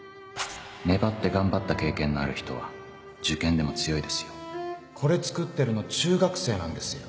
粘って頑張った経験のある人は受験でも強これ作ってるの中学生なんですよ